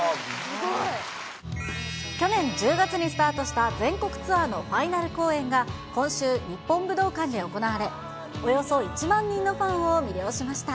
去年１０月にスタートした全国ツアーのファイナル公演が今週、日本武道館で行われ、およそ１万人のファンを魅了しました。